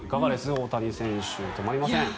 大谷選手、止まりません。